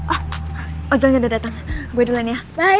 ah ojolnya udah dateng gue duluan ya bye